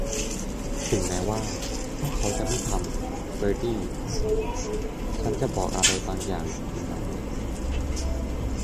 ถึงแม้ว่า พวกเขาจะไม่ทำ เบอร์ตี้ ฉันจะบอกอะไรบางอย่างคุณเอาไหม ?